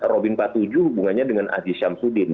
robin patuju hubungannya dengan aziz syamsuddin